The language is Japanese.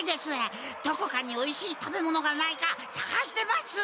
どこかにおいしい食べ物がないかさがしてます。